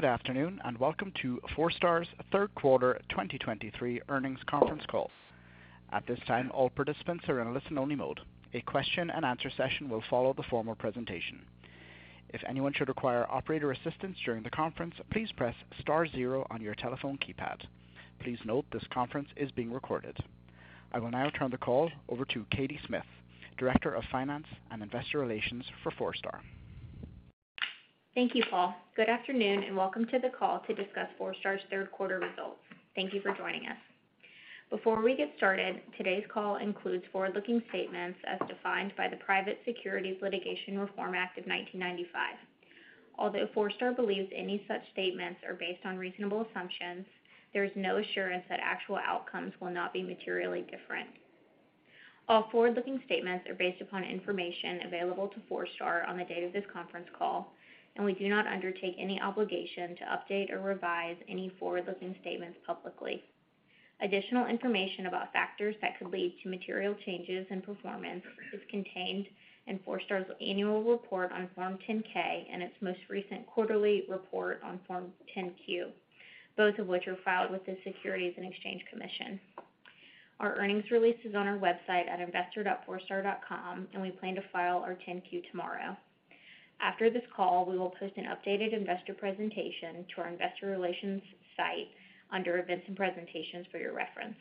Good afternoon, and welcome to Forestar's Q3 2023 Earnings Conference Call. At this time, all participants are in a listen-only mode. A question-and-answer session will follow the formal presentation. If anyone should require operator assistance during the conference, please press star zero on your telephone keypad. Please note, this conference is being recorded. I will now turn the call over to Katie Smith, Director of Finance and Investor Relations for Forestar. Thank you, Paul. Good afternoon, welcome to the call to discuss Forestar's Q3 results. Thank you for joining us. Before we get started, today's call includes forward-looking statements as defined by the Private Securities Litigation Reform Act of 1995. Although Forestar believes any such statements are based on reasonable assumptions, there is no assurance that actual outcomes will not be materially different. All forward-looking statements are based upon information available to Forestar on the date of this conference call, and we do not undertake any obligation to update or revise any forward-looking statements publicly. Additional information about factors that could lead to material changes in performance is contained in Forestar's annual report on Form 10-K and its most recent quarterly report on Form 10-Q, both of which are filed with the Securities and Exchange Commission. Our earnings release is on our website at investor.forestar.com, and we plan to file our 10-Q tomorrow. After this call, we will post an updated investor presentation to our investor relations site under Events and Presentations for your reference.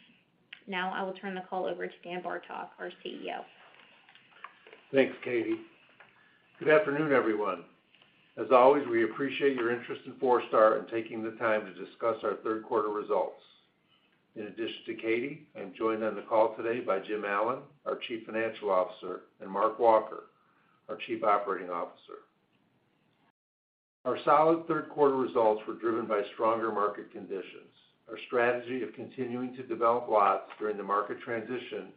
Now, I will turn the call over to Dan Bartok, our CEO. Thanks, Katie. Good afternoon, everyone. As always, we appreciate your interest in Forestar and taking the time to discuss our Q3 results. In addition to Katie, I'm joined on the call today by Jim Allen, our Chief Financial Officer, and Mark Walker, our Chief Operating Officer. Our solid Q3 results were driven by stronger market conditions. Our strategy of continuing to develop lots during the market transition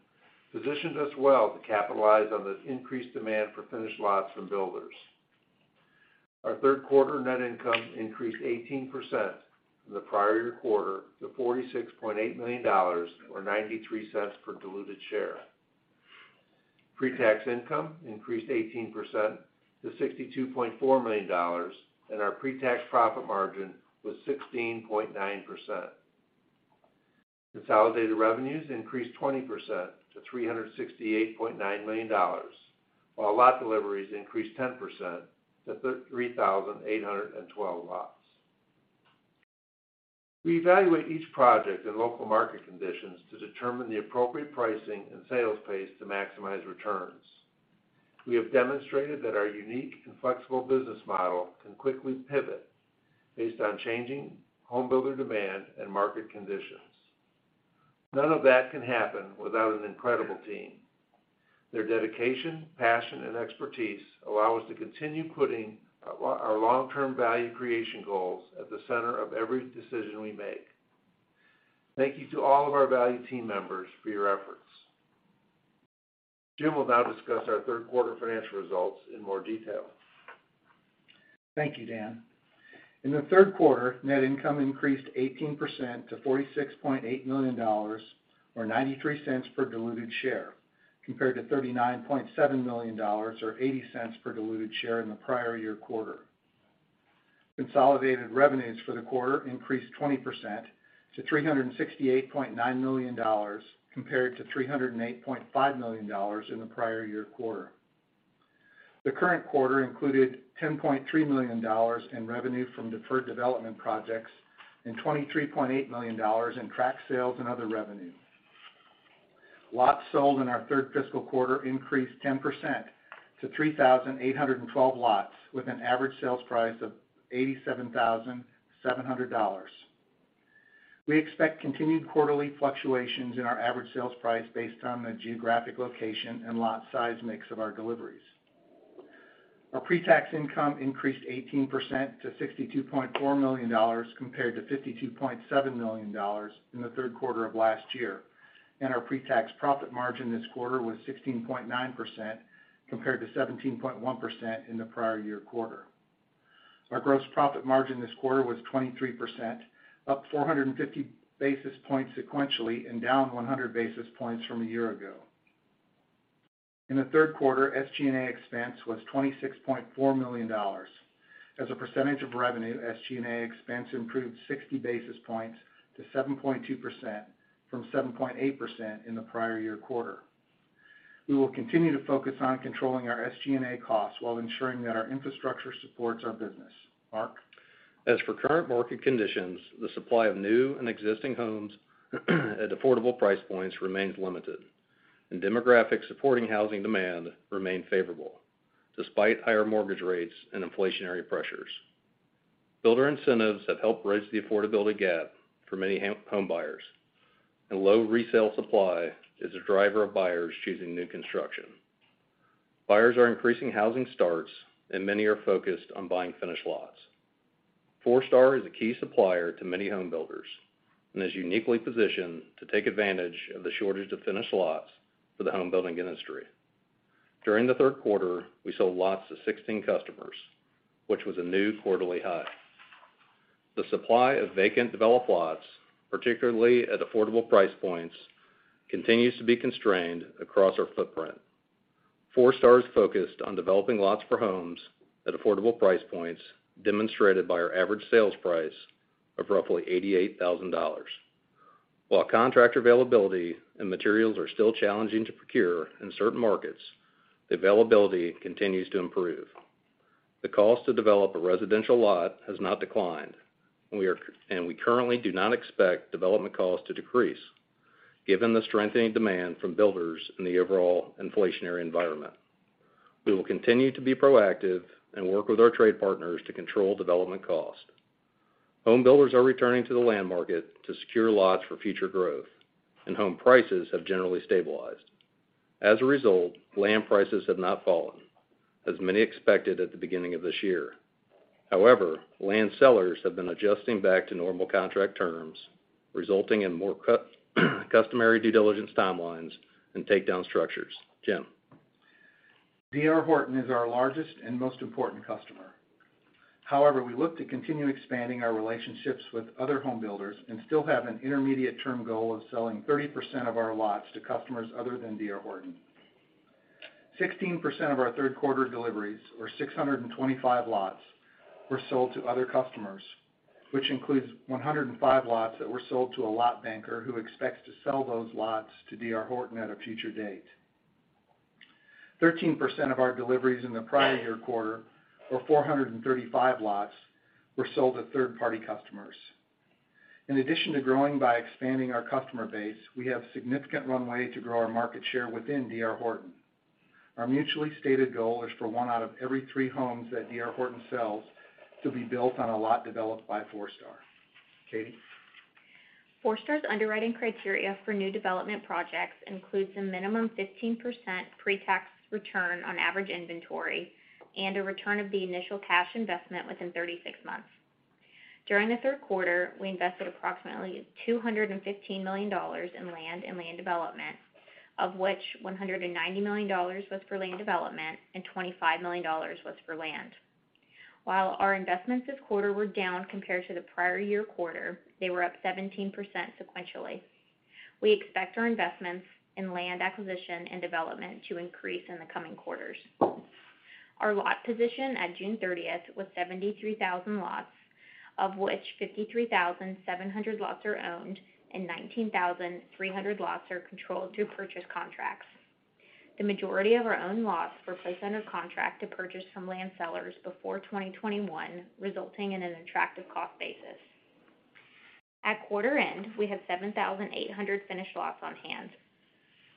positioned us well to capitalize on this increased demand for finished lots from builders. Our Q3 net income increased 18% from the prior quarter to $46.8 million, or $0.93 per diluted share. Pre-tax income increased 18% to $62.4 million, our pre-tax profit margin was 16.9%. Consolidated revenues increased 20% to $368.9 million, while lot deliveries increased 10% to 3,812 lots. We evaluate each project and local market conditions to determine the appropriate pricing and sales pace to maximize returns. We have demonstrated that our unique and flexible business model can quickly pivot based on changing home builder demand and market conditions. None of that can happen without an incredible team. Their dedication, passion and expertise allow us to continue putting our long-term value creation goals at the center of every decision we make. Thank you to all of our valued team members for your efforts. Jim will now discuss our Q3 financial results in more detail. Thank you, Dan. In the Q3, net income increased 18% to $46.8 million, or $0.93 per diluted share, compared to $39.7 million, or $0.80 per diluted share in the prior year quarter. Consolidated revenues for the quarter increased 20% to $368.9 million, compared to $308.5 million in the prior year quarter. The current quarter included $10.3 million in revenue from deferred development projects and $23.8 million in track sales and other revenues. Lots sold in our third fiscal quarter increased 10% to 3,812 lots, with an average sales price of $87,700. We expect continued quarterly fluctuations in our average sales price based on the geographic location and lot size mix of our deliveries. Our pre-tax income increased 18% to $62.4 million, compared to $52.7 million in the Q3 of last year, and our pre-tax profit margin this quarter was 16.9%, compared to 17.1% in the prior year quarter. Our gross profit margin this quarter was 23%, up 450 basis points sequentially and down 100 basis points from a year ago. In the Q3, SG&A expense was $26.4 million. As a percentage of revenue, SG&A expense improved 60 basis points to 7.2% from 7.8% in the prior year quarter. We will continue to focus on controlling our SG&A costs while ensuring that our infrastructure supports our business. Mark? As for current market conditions, the supply of new and existing homes at affordable price points remains limited, and demographics supporting housing demand remain favorable despite higher mortgage rates and inflationary pressures. Builder incentives have helped bridge the affordability gap for many home buyers, and low resale supply is a driver of buyers choosing new construction. Buyers are increasing housing starts and many are focused on buying finished lots. Forestar is a key supplier to many home builders and is uniquely positioned to take advantage of the shortage of finished lots for the home building industry. During the Q3, we sold lots to 16 customers, which was a new quarterly high. The supply of vacant developed lots, particularly at affordable price points, continues to be constrained across our footprint.... Forestar is focused on developing lots for homes at affordable price points, demonstrated by our average sales price of roughly $88,000. While contractor availability and materials are still challenging to procure in certain markets, the availability continues to improve. The cost to develop a residential lot has not declined, and we currently do not expect development costs to decrease, given the strengthening demand from builders in the overall inflationary environment. We will continue to be proactive and work with our trade partners to control development costs. Home builders are returning to the land market to secure lots for future growth, and home prices have generally stabilized. As a result, land prices have not fallen, as many expected at the beginning of this year. Land sellers have been adjusting back to normal contract terms, resulting in more customary due diligence timelines and takedown structures. Jim? D.R. Horton is our largest and most important customer. We look to continue expanding our relationships with other home builders and still have an intermediate-term goal of selling 30% of our lots to customers other than D.R. Horton. 16% of our Q3 deliveries, or 625 lots, were sold to other customers, which includes 105 lots that were sold to a lot banker who expects to sell those lots to D.R. Horton at a future date. 13% of our deliveries in the prior year quarter, or 435 lots, were sold to third-party customers. Growing by expanding our customer base, we have significant runway to grow our market share within D.R. Horton. Our mutually stated goal is for one out of every three homes that D.R. Horton sells to be built on a lot developed by Forestar. Katie? Forestar's underwriting criteria for new development projects includes a minimum 15% pretax return on average inventory and a return of the initial cash investment within 36 months. During the Q3, we invested approximately $215 million in land and land development, of which $190 million was for land development and $25 million was for land. While our investments this quarter were down compared to the prior year quarter, they were up 17% sequentially. We expect our investments in land acquisition and development to increase in the coming quarters. Our lot position at June 30th was 73,000 lots, of which 53,700 lots are owned and 19,300 lots are controlled through purchase contracts. The majority of our own lots were placed under contract to purchase from land sellers before 2021, resulting in an attractive cost basis. At quarter end, we had 7,800 finished lots on hand.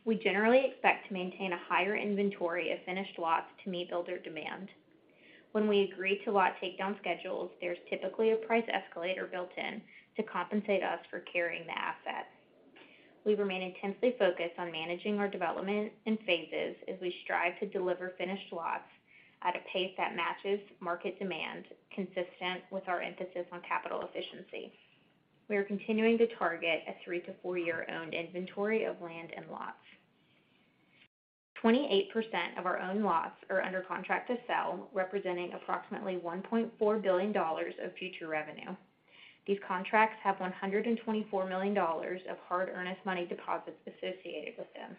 We generally expect to maintain a higher inventory of finished lots to meet builder demand. When we agree to lot takedown schedules, there's typically a price escalator built in to compensate us for carrying the asset. We remain intensely focused on managing our development in phases, as we strive to deliver finished lots at a pace that matches market demand, consistent with our emphasis on capital efficiency. We are continuing to target a three to four-year owned inventory of land and lots. 28% of our own lots are under contract to sell, representing approximately $1.4 billion of future revenue. These contracts have $124 million of hard earnest money deposits associated with them.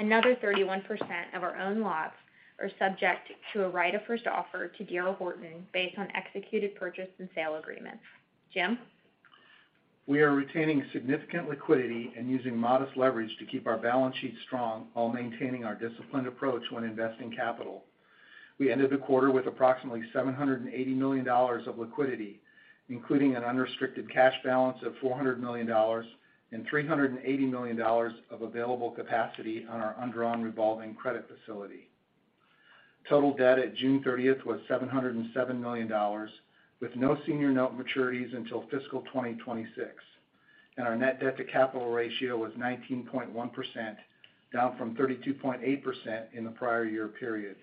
31% of our own lots are subject to a right of first offer to D.R. Horton, based on executed purchase and sale agreements. Jim? We are retaining significant liquidity and using modest leverage to keep our balance sheet strong, while maintaining our disciplined approach when investing capital. We ended the quarter with approximately $780 million of liquidity, including an unrestricted cash balance of $400 million and $380 million of available capacity on our undrawn revolving credit facility. Total debt at 30 June was $707 million, with no senior note maturities until fiscal 2026, and our net debt to capital ratio was 19.1%, down from 32.8% in the prior year period.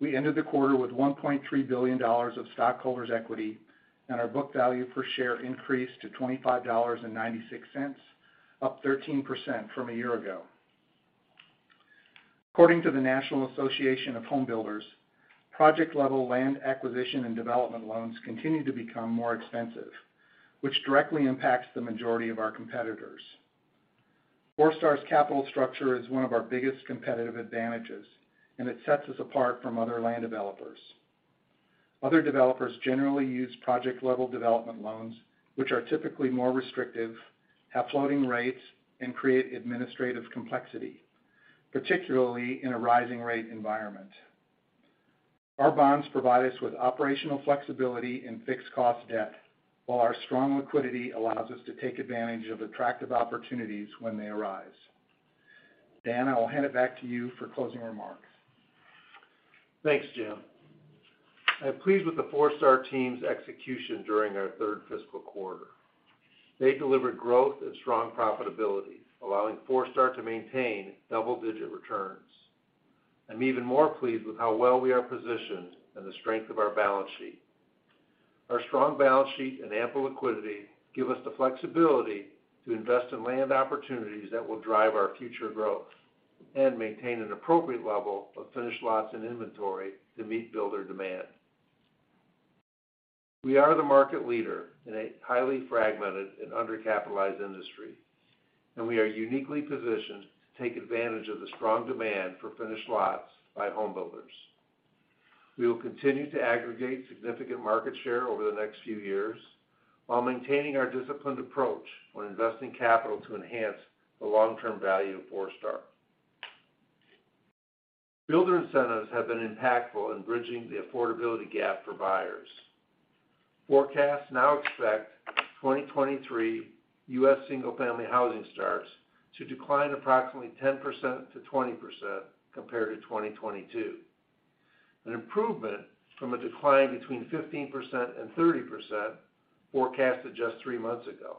We ended the quarter with $1.3 billion of stockholders' equity, and our book value per share increased to $25.96, up 13% from a year ago. According to the National Association of Home Builders, project-level land acquisition and development loans continue to become more expensive, which directly impacts the majority of our competitors. Forestar's capital structure is one of our biggest competitive advantages, and it sets us apart from other land developers. Other developers generally use project-level development loans, which are typically more restrictive, have floating rates, and create administrative complexity, particularly in a rising rate environment. Our bonds provide us with operational flexibility and fixed cost debt, while our strong liquidity allows us to take advantage of attractive opportunities when they arise. Dan, I will hand it back to you for closing remarks. Thanks, Jim. I'm pleased with the Forestar team's execution during our fiscal Q3. They delivered growth and strong profitability, allowing Forestar to maintain double-digit returns. I'm even more pleased with how well we are positioned and the strength of our balance sheet. Our strong balance sheet and ample liquidity give us the flexibility to invest in land opportunities that will drive our future growth and maintain an appropriate level of finished lots and inventory to meet builder demand. We are the market leader in a highly fragmented and undercapitalized industry, we are uniquely positioned to take advantage of the strong demand for finished lots by homebuilders. We will continue to aggregate significant market share over the next few years, while maintaining our disciplined approach on investing capital to enhance the long-term value of Forestar. Builder incentives have been impactful in bridging the affordability gap for buyers. Forecasts now expect 2023 U.S. single-family housing starts to decline approximately 10%-20% compared to 2022, an improvement from a decline between 15% and 30% forecasted just three months ago.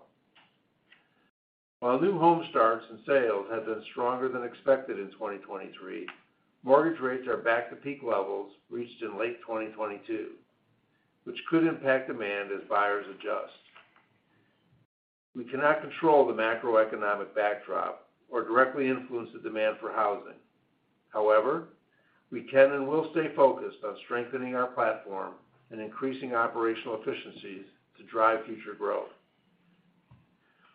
While new home starts and sales have been stronger than expected in 2023, mortgage rates are back to peak levels reached in late 2022, which could impact demand as buyers adjust. We cannot control the macroeconomic backdrop or directly influence the demand for housing. However, we can and will stay focused on strengthening our platform and increasing operational efficiencies to drive future growth.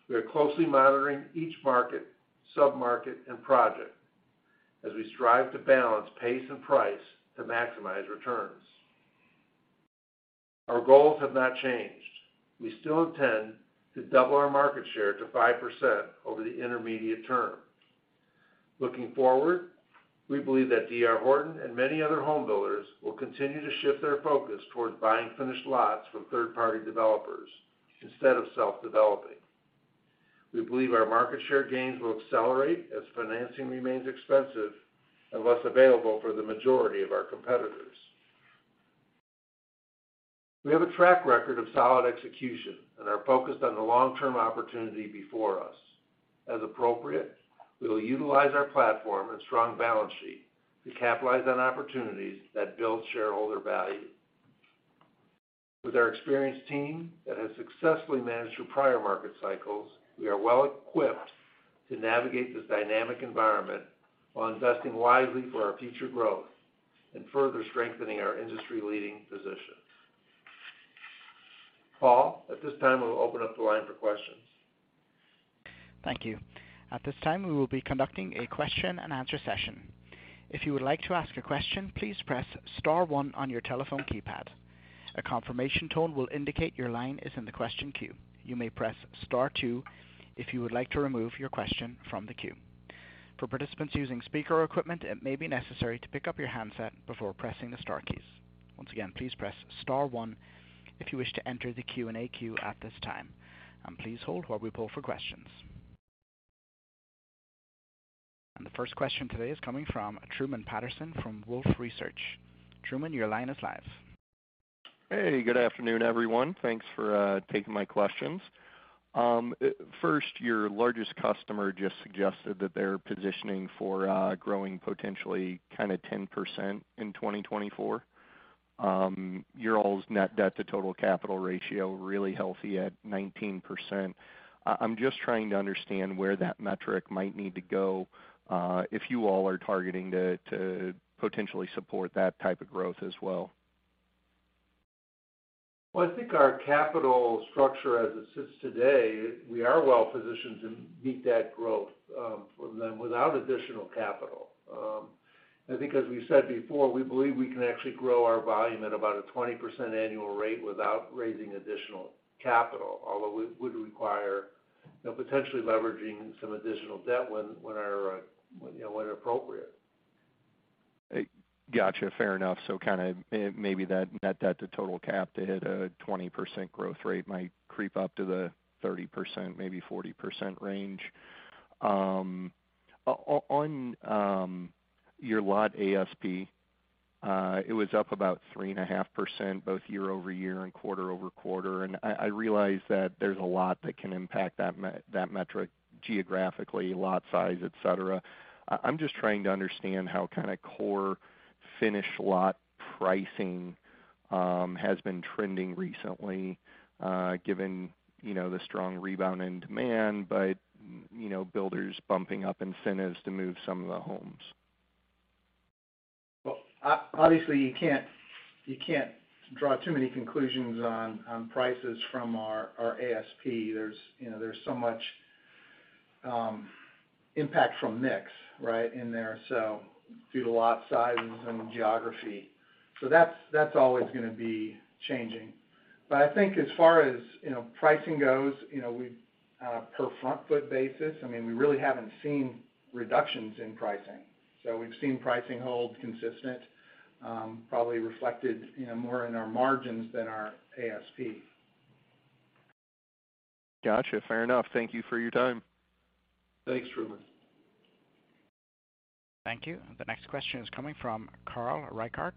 We are closely monitoring each market, sub-market, and project as we strive to balance pace and price to maximize returns. Our goals have not changed. We still intend to double our market share to 5% over the intermediate term. Looking forward, we believe that D.R. Horton and many other homebuilders will continue to shift their focus towards buying finished lots from third-party developers instead of self-developing. We believe our market share gains will accelerate as financing remains expensive and less available for the majority of our competitors. We have a track record of solid execution and are focused on the long-term opportunity before us. As appropriate, we will utilize our platform and strong balance sheet to capitalize on opportunities that build shareholder value. With our experienced team that has successfully managed through prior market cycles, we are well equipped to navigate this dynamic environment while investing wisely for our future growth and further strengthening our industry-leading position. Paul, at this time, we'll open up the line for questions. Thank you. At this time, we will be conducting a question-and-answer session. If you would like to ask a question, please press star one on your telephone keypad. A confirmation tone will indicate your line is in the question queue. You may press star two if you would like to remove your question from the queue. For participants using speaker or equipment, it may be necessary to pick up your handset before pressing the star keys. Once again, please press star one if you wish to enter the Q&A queue at this time, and please hold while we pull for questions. The first question today is coming from Truman Patterson from Wolfe Research. Truman, your line is live. Hey, good afternoon, everyone. Thanks for taking my questions. First, your largest customer just suggested that they're positioning for growing potentially kind of 10% in 2024. Your all's net debt to total capital ratio, really healthy at 19%. I'm just trying to understand where that metric might need to go if you all are targeting to potentially support that type of growth as well. Well, I think our capital structure as it sits today, we are well positioned to meet that growth for them without additional capital. I think as we said before, we believe we can actually grow our volume at about a 20% annual rate without raising additional capital, although it would require, you know, potentially leveraging some additional debt when our, you know, when appropriate. Got you. Fair enough. Kind of maybe that net debt to total cap to hit a 20% growth rate might creep up to the 30%, maybe 40% range. On your lot ASP, it was up about 3.5%, both year-over-year and quarter-over-quarter. I realize that there's a lot that can impact that metric geographically, lot size, et cetera. I'm just trying to understand how kind of core finished lot pricing has been trending recently, given, you know, the strong rebound in demand, but, you know, builders bumping up incentives to move some of the homes. Obviously, you can't draw too many conclusions on prices from our ASP. There's, you know, so much impact from mix, right, in there due to lot sizes and geography. That's always going to be changing. I think as far as, you know, pricing goes, you know, we per front foot basis, I mean, we really haven't seen reductions in pricing. We've seen pricing hold consistent, probably reflected, you know, more in our margins than our ASP. Gotcha. Fair enough. Thank you for your time. Thanks, Truman. Thank you. The next question is coming from Carl Reichardt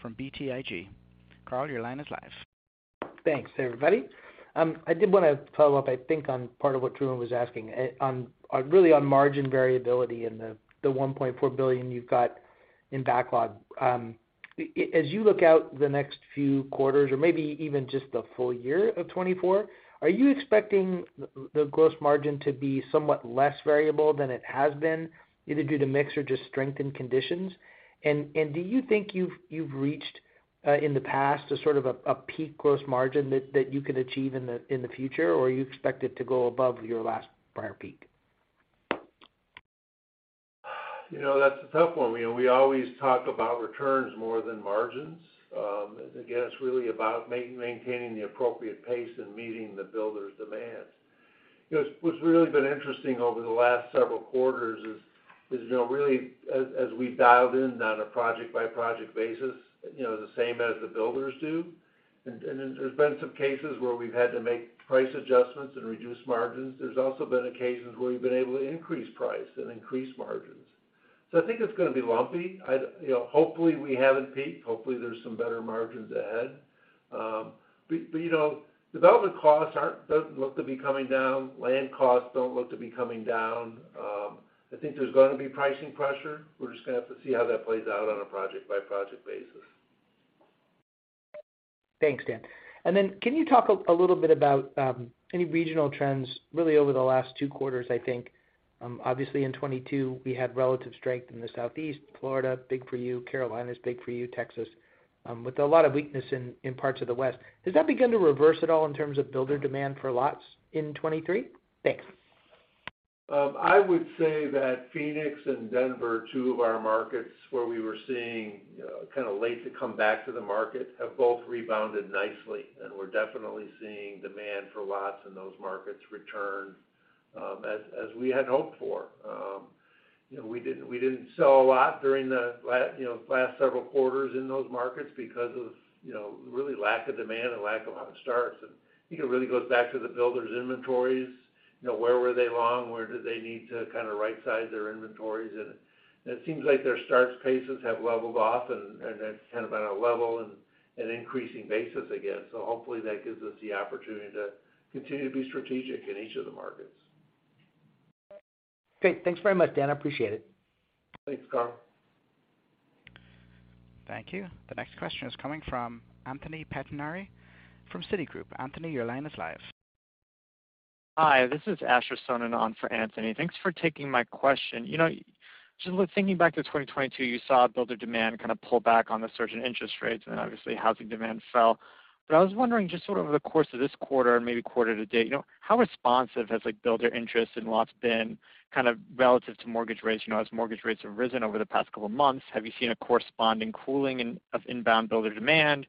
from BTIG. Carl, your line is live. Thanks, everybody. I did want to follow up, I think, on part of what Truman was asking, really on margin variability and the $1.4 billion you've got in backlog. As you look out the next few quarters or maybe even just the full year of 2024, are you expecting the gross margin to be somewhat less variable than it has been, either due to mix or just strengthened conditions? Do you think you've reached in the past to sort of a peak gross margin that you could achieve in the future, or you expect it to go above your last prior peak? You know, that's a tough one. We always talk about returns more than margins. Again, it's really about maintaining the appropriate pace and meeting the builders' demands. You know, what's really been interesting over the last several quarters is, you know, really, as we've dialed in on a project-by-project basis, you know, the same as the builders do, and there's been some cases where we've had to make price adjustments and reduce margins. There's also been occasions where we've been able to increase price and increase margins. I think it's gonna be lumpy. You know, hopefully, we haven't peaked. Hopefully, there's some better margins ahead. You know, development costs doesn't look to be coming down. Land costs don't look to be coming down. I think there's gonna be pricing pressure. We're just gonna have to see how that plays out on a project-by-project basis. Thanks, Dan. Then, can you talk a little bit about any regional trends, really, over the last two quarters, I think? Obviously, in 2022, we had relative strength in the Southeast Florida, big for you, Carolinas, big for you, Texas, with a lot of weakness in parts of the West. Has that begun to reverse at all in terms of builder demand for lots in 2023? Thanks. I would say that Phoenix and Denver, two of our markets where we were seeing, kinda late to come back to the market, have both rebounded nicely, and we're definitely seeing demand for lots in those markets return, as we had hoped for. We didn't, we didn't sell a lot during the last several quarters in those markets because of really lack of demand and lack of lot of starts. I think it really goes back to the builders' inventories. Where were they long? Where do they need to kind of rightsize their inventories? It seems like their starts paces have leveled off, and that's kind of on a level and an increasing basis again. Hopefully, that gives us the opportunity to continue to be strategic in each of the markets. Great. Thanks very much, Dan. I appreciate it. Thanks, Carl. Thank you. The next question is coming from Anthony Pettinari from Citigroup. Anthony, your line is live. Hi, this is Asher Sohnen on for Anthony. Thanks for taking my question. You know, just thinking back to 2022, you saw builder demand kind of pull back on the surge in interest rates, obviously, housing demand fell. I was wondering, just sort of over the course of this quarter and maybe quarter to date, you know, how responsive has, like, builder interest and lots been kind of relative to mortgage rates? You know, as mortgage rates have risen over the past couple of months, have you seen a corresponding cooling of inbound builder demand?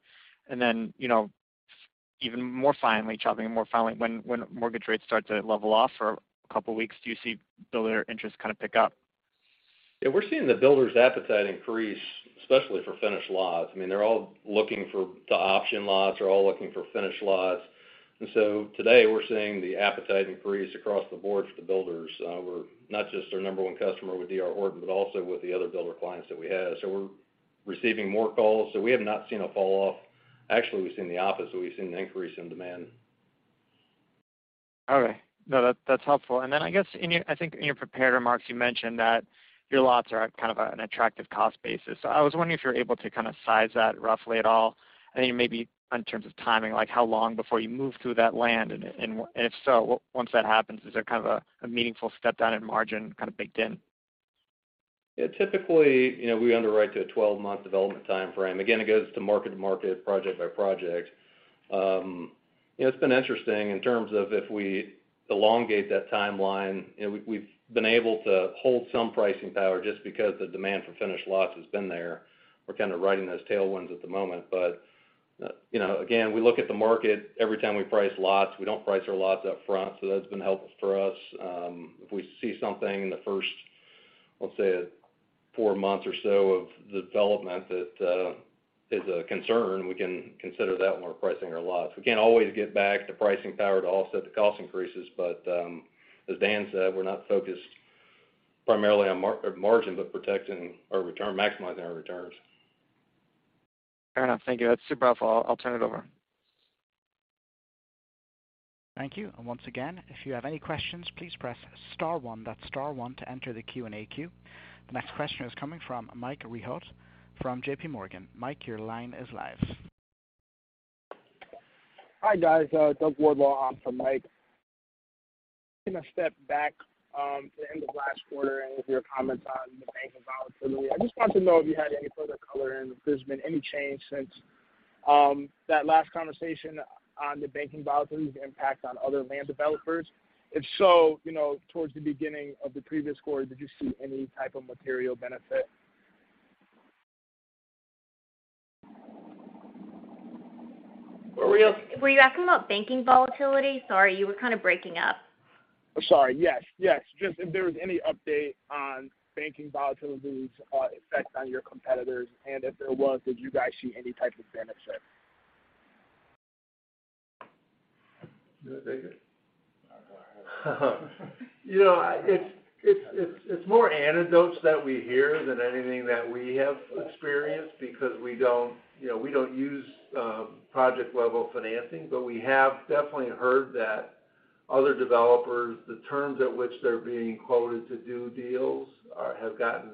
Even more finely, chopping more finely, when mortgage rates start to level off for a couple of weeks, do you see builder interest kind of pick up? Yeah, we're seeing the builders' appetite increase, especially for finished lots. I mean, they're all looking for the option lots. They're all looking for finished lots. Today, we're seeing the appetite increase across the board for the builders. We're not just our number one customer with D.R. Horton, but also with the other builder clients that we have. We're receiving more calls, so we have not seen a falloff. Actually, we've seen the opposite. We've seen an increase in demand. No, that's helpful. I guess, in your I think in your prepared remarks, you mentioned that your lots are at kind of an attractive cost basis. I was wondering if you're able to kind of size that roughly at all, and then maybe in terms of timing, like, how long before you move through that land? If so, once that happens, is there kind of a meaningful step down in margin kind of baked in? Yeah, typically, you know, we underwrite to a 12-month development timeframe. It goes to market to market, project by project. It's been interesting in terms of if we elongate that timeline, and we've been able to hold some pricing power just because the demand for finished lots has been there. We're kind of riding those tailwinds at the moment, but, you know, again, we look at the market every time we price lots. We don't price our lots up front, so that's been helpful for us. If we see something in the first, let's say, four months or so of the development that is a concern, we can consider that when we're pricing our lots. We can't always get back to pricing power to offset the cost increases, but, as Dan said, we're not focused primarily on margin, but protecting our return, maximizing our returns. Fair enough. Thank you. That's super helpful. I'll turn it over. Thank you. Once again, if you have any questions, please press star one, that's star one, to enter the Q&A queue. The next question is coming from Mike Rehaut from JPMorgan. Mike, your line is live. Hi, guys, Doug Wardlaw. I'm from Mike. Taking a step back to the end of last quarter and with your comments on the banking volatility, I just wanted to know if you had any further color and if there's been any change since that last conversation on the banking volatility impact on other land developers. If so, you know, towards the beginning of the previous quarter, did you see any type of material benefit? Where were you? Were you asking about banking volatility? Sorry, you were kind of breaking up. Sorry. Yes, yes. Just if there was any update on banking volatility's effect on your competitors, and if there was, did you guys see any type of benefit? You want to take it? You know, it's more anecdotes that we hear than anything that we have experienced because we don't, you know, we don't use project-level financing. We have definitely heard that other developers, the terms at which they're being quoted to do deals have gotten,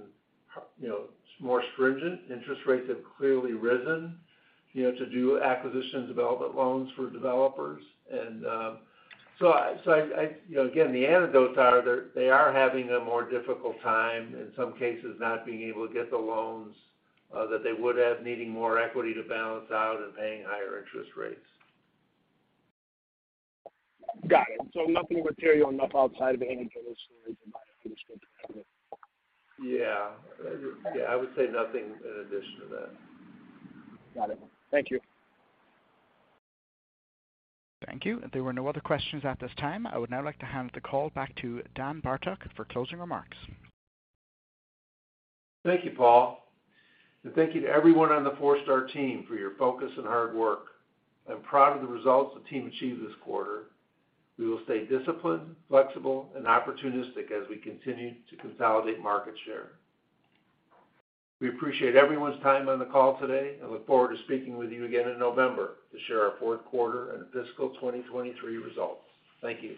you know, more stringent. Interest rates have clearly risen, you know, to do acquisition development loans for developers. So I... You know, again, the anecdotes are, they are having a more difficult time, in some cases, not being able to get the loans that they would have, needing more equity to balance out and paying higher interest rates. Got it. Nothing material enough outside of any other stories about finishing to have it? Yeah. Yeah, I would say nothing in addition to that. Got it. Thank you. Thank you. There were no other questions at this time. I would now like to hand the call back to Dan Bartok for closing remarks. Thank you, Paul. Thank you to everyone on the Forestar team for your focus and hard work. I'm proud of the results the team achieved this quarter. We will stay disciplined, flexible, and opportunistic as we continue to consolidate market share. We appreciate everyone's time on the call today. Look forward to speaking with you again in November to share our Q4 and fiscal 2023 results. Thank you.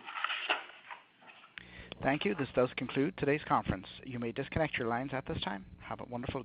Thank you. This does conclude today's conference. You may disconnect your lines at this time. Have a wonderful day.